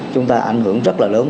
chúng ta ảnh hưởng rất là lớn